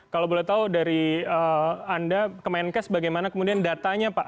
kalau boleh tahu dari anda ke menkes bagaimana kemudian datanya pak